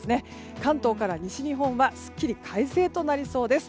関東から西日本はすっきり快晴となりそうです。